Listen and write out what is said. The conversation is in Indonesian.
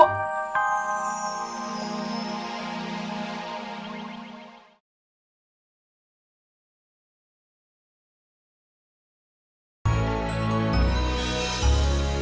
aku mau berhenti ngerasain kasih sayang seorang ibu